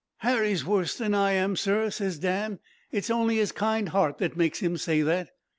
"'Harry's worse than I am, sir,' ses Dan; 'it's only his kind heart that makes him say that.'